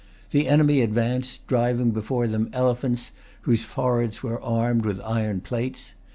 The enemy advanced, driving before them elephants whose foreheads were armed with iron plates.